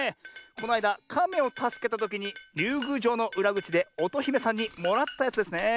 このあいだかめをたすけたときにりゅうぐうじょうのうらぐちでおとひめさんにもらったやつですねえ。